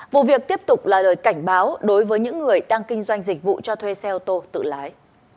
vụ việc tiếp tục là lời cảnh báo đối với những người đang kinh doanh dịch vụ cho thuê xe ô tô tự lái